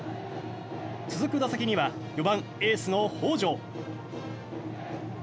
続く打席には４番エースの北條。